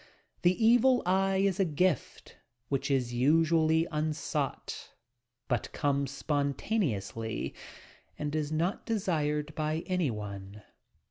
The evil eye is a gift which is usually unsought, but comes spontaneously and is not desired by any one.